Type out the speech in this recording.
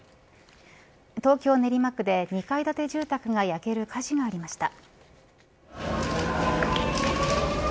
東京、練馬区で２階建て住宅が焼ける火事がありました。